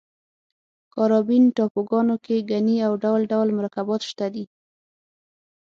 کارابین ټاپوګانو کې ګني او ډول ډول مرکبات شته دي.